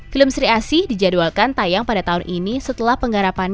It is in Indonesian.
film seri asi dijadwalkan tayang pada tahun ini setelah penggarapan